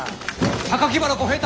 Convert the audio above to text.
原小平太